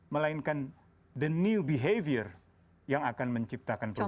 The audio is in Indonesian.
melainkan perubahan baru yang akan menciptakan perubahan